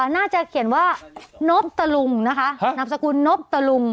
น่าจะเขียนว่านบตะลุงนะคะนามสกุลนบตะลุง